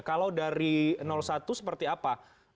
kalau dari satu seperti apa